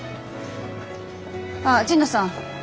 ああ神野さん。